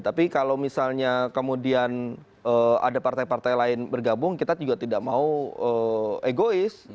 tapi kalau misalnya kemudian ada partai partai lain bergabung kita juga tidak mau egois